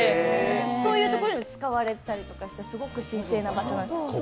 そういうところで使われたりして、すごく神聖な場所なんです。